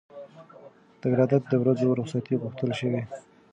د ولادت د ورځو رخصتي غوښتل شوې.